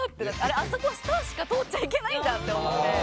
あそこはスターしか通っちゃいけないんだって思って。